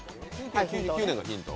９９年がヒント？